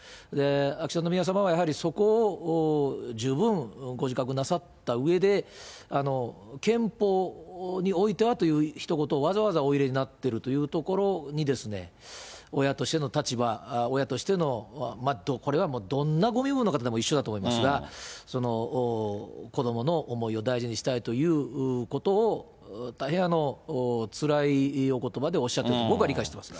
秋篠宮さまはやはり、そこを十分ご自覚なさったうえで、憲法においてはというひと言をわざわざお入れになっているというところに、、親としての立場、親としての、これはどんなご身分の方でも一緒だと思いますが、子どもの思いを大事にしたいということを、大変つらいおことばでおっしゃってると、僕は理解してますが。